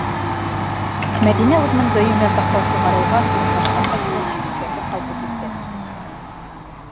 Мәҙинә үҙенең дөйөм ятаҡтан сығарылғас урынлашҡан фатирына кисләтеп ҡайтып инде.